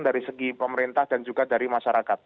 dari segi pemerintah dan juga dari masyarakat